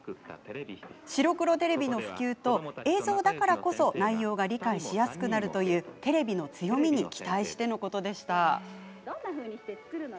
白黒テレビの普及と映像だからこそ内容が理解しやすくなるというテレビの強みに期待してのことでした。